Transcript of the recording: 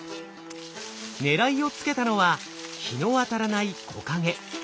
狙いをつけたのは日の当たらない木陰。